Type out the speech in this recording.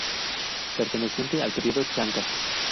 Perteneciente al periodo Chanca.